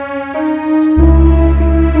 dari seluruh desa